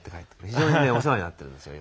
非常にねお世話になってるんですよよく。